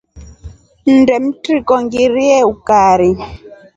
Nnde mtriko ngirie ukari.